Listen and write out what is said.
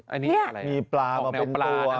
อันนี้อะไรอาวุธเงียบมันเป็นตัวมีพลามาเป็นตัว